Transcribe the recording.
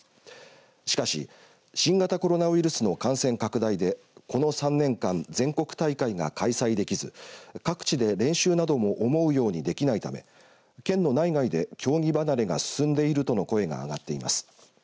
しかし、新型コロナウイルスの感染拡大でこの３年間全国大会が開催できず各地で練習なども思うようにできないため県の内外で競技離れが進んでいるとの声が上がっています。